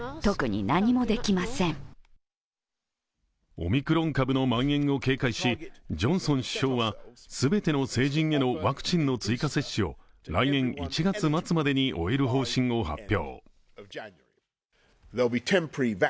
オミクロン株のまん延を警戒し、ジョンソン首相は全ての成人へのワクチンの追加接種を来年１月末までに終える方針を発表。